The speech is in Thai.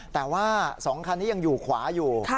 แต่ว่า๒คันนี้ยังอยู่ขวาอยู่